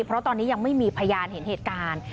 เพราะตอนนี้ยังไม่มีพยานเห็นเหตุการณ์